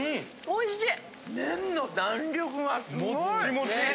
おいしい！